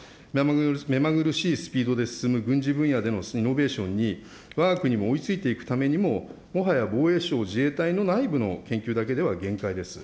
目まぐるしいスピードで進む軍事分野でのイノベーションに、わが国も追いついていくためにも、もはや防衛省・自衛隊の内部の研究だけでは限界です。